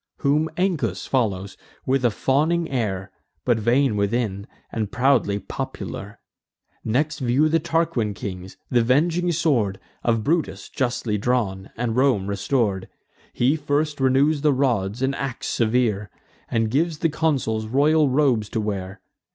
Whom Ancus follows, with a fawning air, But vain within, and proudly popular. Next view the Tarquin kings, th' avenging sword Of Brutus, justly drawn, and Rome restor'd. He first renews the rods and ax severe, And gives the consuls royal robes to wear.